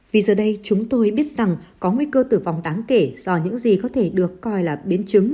vì giờ đây chúng tôi biết rằng có nguy cơ tử vong đáng kể do những gì có thể được coi là biến chứng